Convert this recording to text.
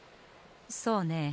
そうねえ。